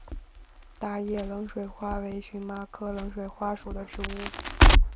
大叶冷水花为荨麻科冷水花属的植物。